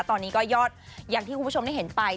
ตอนนี้ก็ยอดอย่างที่คุณผู้ชมได้เห็นไป